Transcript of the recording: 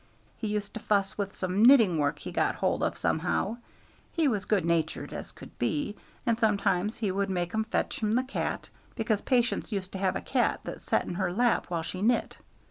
He used to fuss with some knitting work he got hold of somehow; he was good natured as could be, and sometimes he would make 'em fetch him the cat, because Patience used to have a cat that set in her lap while she knit.